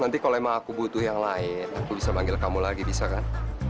nanti kalau emang aku butuh yang lain aku bisa manggil kamu lagi bisa kan